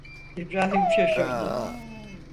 İbrahim şaşırdı.